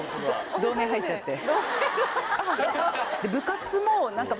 同盟入っちゃって。